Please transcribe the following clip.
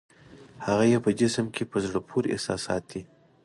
هغه یې په جسم کې په زړه پورې احساسات دي.